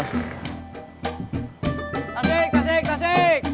masih masih masih